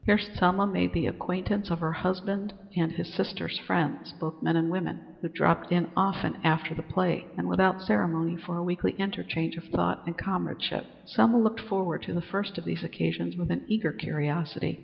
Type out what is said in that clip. Here Selma made the acquaintance of her husband's and his sister's friends, both men and women, who dropped in often after the play and without ceremony for a weekly interchange of thought and comradeship. Selma looked forward to the first of these occasions with an eager curiosity.